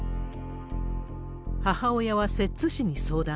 母親は摂津市に相談。